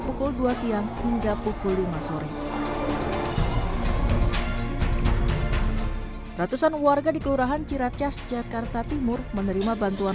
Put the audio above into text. pukul dua siang hingga pukul lima sore ratusan warga di kelurahan ciracas jakarta timur menerima bantuan